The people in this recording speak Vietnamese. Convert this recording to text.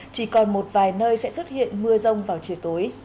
chỉ còn một vài nơi sẽ xuất hiện mưa rông vào chiều tối